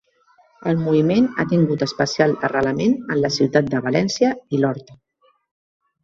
El moviment ha tingut especial arrelament en la ciutat de València i l'Horta.